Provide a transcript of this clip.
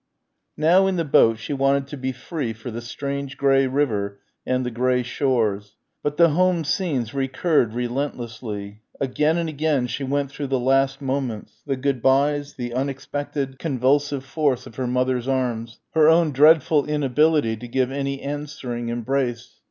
Now, in the boat she wanted to be free for the strange grey river and the grey shores. But the home scenes recurred relentlessly. Again and again she went through the last moments ... the good byes, the unexpected convulsive force of her mother's arms, her own dreadful inability to give any answering embrace.